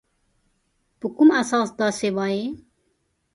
په کوم اساس داسي وایې ؟